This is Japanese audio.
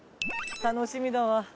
楽しみだわ。